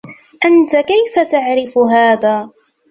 أنتَ كيف تعرف هذا؟